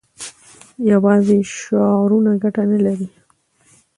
یوازې شعارونه ګټه نه لري.